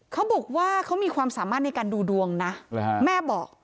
เขาบอกว่าเขามีความสามารถในการดูดวงนะแม่บอก